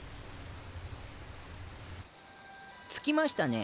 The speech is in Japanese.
着きましたね。